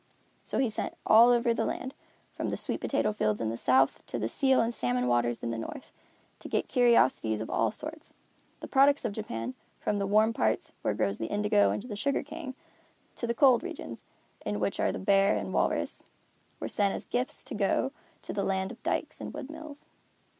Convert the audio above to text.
So he sent all over the land, from the sweet potato fields in the south to the seal and salmon waters in the north, to get curiosities of all sorts. The products of Japan, from the warm parts, where grow the indigo and the sugar cane, to the cold regions, in which are the bear and walrus, were sent as gifts to go to the Land of Dykes and Windmills.